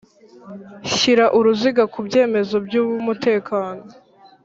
Shyira uruziga ku byemezo by umutekano